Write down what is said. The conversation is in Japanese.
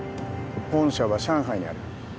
本社は上海にある